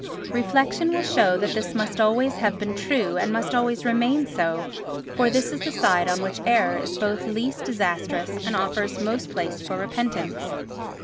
Reflection will show that this must always have been true, and must always remain so, for this is the side on which error is both least disastrous and offers most place for repentance.